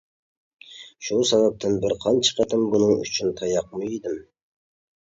شۇ سەۋەبتىن بىر قانچە قېتىم بۇنىڭ ئۈچۈن تاياقمۇ يېدىم.